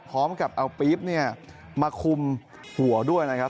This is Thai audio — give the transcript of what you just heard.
พร้อมกับเอาปี๊บเนี่ยมาคุมหัวด้วยนะครับ